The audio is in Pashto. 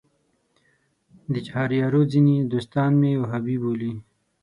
د چهاریارو ځینې دوستان مې وهابي بولي.